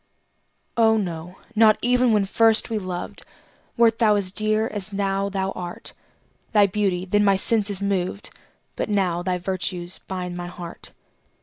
Oh, no not even when first we loved, Wert thou as dear as now thou art; Thy beauty then my senses moved, But now thy virtues bind my heart.